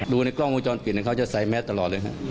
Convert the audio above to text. ดูในกล้องโมจรปิดเขาจะใส่แม่ต่อเลย